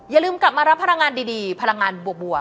อย่าลืมกลับมารับพลังงานดีพลังงานบวก